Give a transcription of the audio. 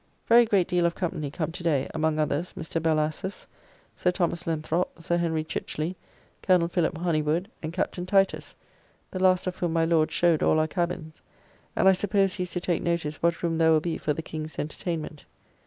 Very great deal of company come today, among others Mr. Bellasses, Sir Thomas Lenthropp, Sir Henry Chichley, Colonel Philip Honiwood, and Captain Titus, the last of whom my Lord showed all our cabins, and I suppose he is to take notice what room there will be for the King's entertainment.